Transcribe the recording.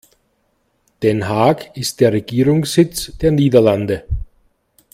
Den Haag ist der Regierungssitz der Niederlande.